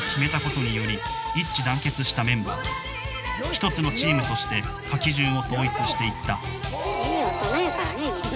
一つのチームとして書き順を統一していったいい大人やからねみんな。